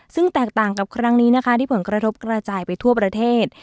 ซึ่งแตกต่างกับครั้งนี้นะคะที่ผลกระทบกระจายไปทั่วประเทศ